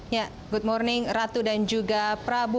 ya good morning ratu dan juga prabu